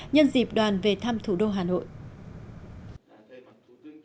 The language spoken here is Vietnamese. nhân dịp đoàn về thăm thủ đô hà nội